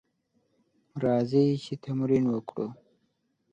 راځئ چې تمرين وکړو.